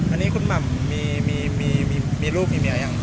อันนี้คุณหม่ำมีลูกมีเมียยัง